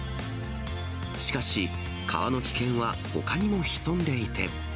しかし川の危険はほかにも潜んでいて。